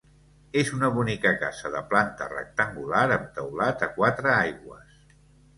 És una bonica casa de planta rectangular amb teulat a quatre aigües.